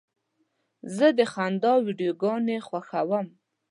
زه د خندا ویډیوګانې خوښوم.